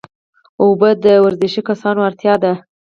اوبه د ورزشي کسانو اړتیا ده